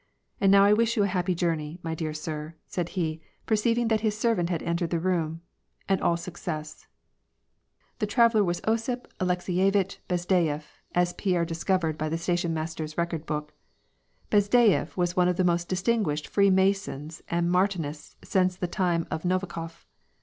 And now I wish you a happy journey, my dear sir/' said he, perceiving that his servant had entered the room, " and all success." The traveller was Osip Alekseyevitch Bazd^yef , as Pierre dis eovered by the station master's record book. Bazdeyef was one of the most distinguished Freemasons and Martiilists since the time of Novikof.